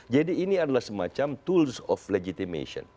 jadi ini adalah semacam tools of legitimation